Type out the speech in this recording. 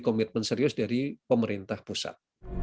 komitmen serius dari pemerintah pusat